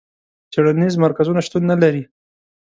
څېړنیز مرکزونه شتون نه لري.